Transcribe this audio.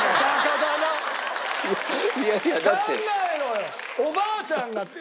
考えろよ！